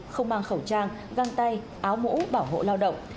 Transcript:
không mang khẩu trang găng tay áo mũ bảo hộ lao động